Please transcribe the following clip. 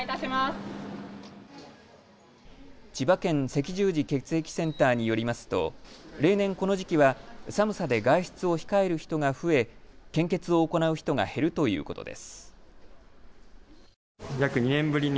千葉県赤十字血液センターによりますと例年この時期は寒さで外出を控える人が増え献血を行う人が減るということです。